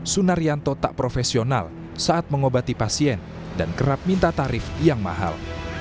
sunaryanto tak profesional saat mengobati pasien dan kerap minta tarif yang mahal